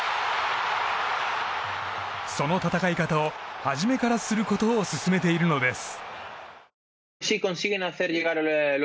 その戦い方を初めからすることを勧めているのです。